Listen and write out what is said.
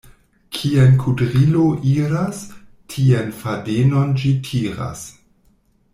Kien kudrilo iras, tien fadenon ĝi tiras.